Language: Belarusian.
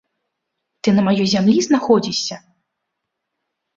Ты на маёй зямлі знаходзішся!